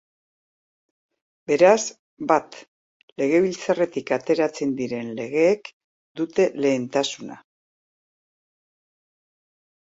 Beraz, bat, Legebiltzarretik ateratzen diren legeek dute lehentasuna.